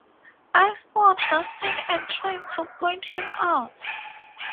I spot Dustin and try to point him out.